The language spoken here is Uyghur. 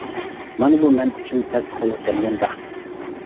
مانا بۇ مەن ئۈچۈن تەستە قولغا كەلگەن بەخت!